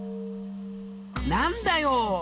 何だよ